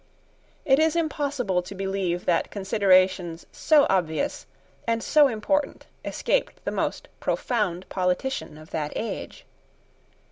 It is impossible to believe that considerations so obvious, and so important, escaped the most profound politician of that age.